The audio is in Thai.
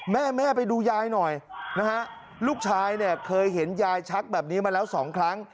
แม่แม่ไปดูยายหน่อยนะฮะลูกชายเนี่ยเคยเห็นยายชักแบบนี้มาแล้วสองครั้ง